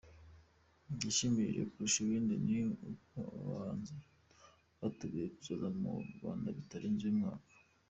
Igishimishije kurusha ibindi ni uko aba bahanzi biteguye kuzaza mu Rwanda bitarenze uyu mwaka.